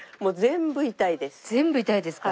全部痛いですか？